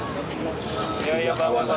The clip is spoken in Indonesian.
ya ya pak